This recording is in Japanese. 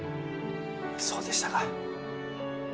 そうでしたか。